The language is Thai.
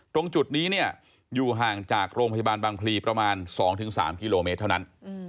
ตรงจุดนี้เนี่ยอยู่ห่างจากโรงพยาบาลบางพลีประมาณ๒๓กิโลเมตรเท่านั้น